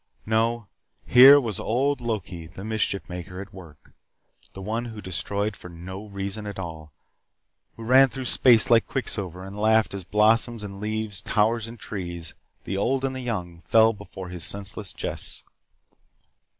No, here was Old Loki the Mischief maker at work. The one who destroyed for no reason at all who ran through space like quicksilver and laughed as blossoms and leaves, towers and trees, the old and the young, fell before his senseless jests.